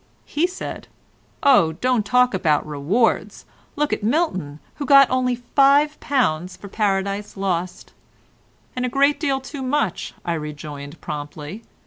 He said: "Oh, don't talk about rewards. Look at Milton, who only got £5 for 'Paradise Lost.'" "And a great deal too much," I rejoined promptly.